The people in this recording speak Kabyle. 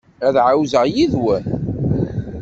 Ad ɛawzeɣ yid-wen.